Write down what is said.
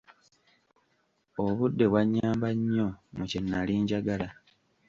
Obudde bwannyamba nnyo mu kye nali njagala.